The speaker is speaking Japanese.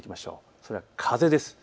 それは風です。